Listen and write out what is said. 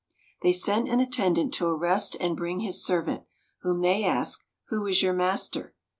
They sent an attendant to arrest and bring his servant, whom they asked, "Who is your master?"